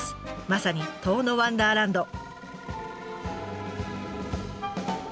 まさに遠野ワンダーランド！